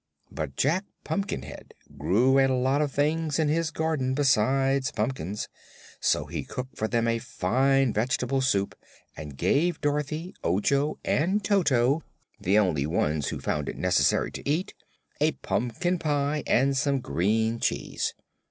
But Jack Pumpkinhead grew a lot of things in his garden besides pumpkins, so he cooked for them a fine vegetable soup and gave Dorothy, Ojo and Toto, the only ones who found it necessary to eat, a pumpkin pie and some green cheese.